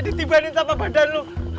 ditibanin sama badan lu